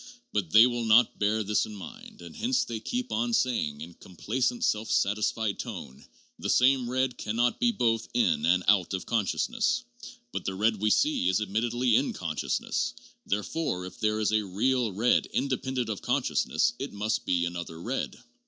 But they will not bear this in mind, hence they keep on saying in complacent self satisfied tone: "The same red can not be both in and out of consciousness; but the red we see is admittedly in consciousness ; therefore if there is a real red independent of consciousness it must be another red.